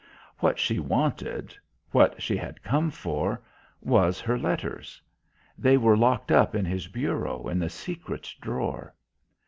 What she wanted what she had come for was her letters. They were locked up in his bureau in the secret drawer.